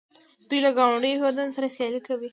دوی له ګاونډیو هیوادونو سره سیالي کوي.